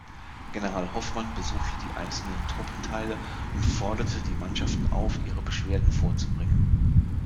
General Hoffmann besuchte die einzelnen Truppenteile und forderte die Mannschaften auf, ihre Beschwerden vorzubringen.